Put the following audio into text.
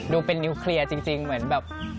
ดูเป็นนิวเคลียร์จริงเหมือนแบบ